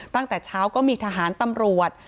ตั้งแต่เช้าก็มีทหารตำรวจ